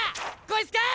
こいつか？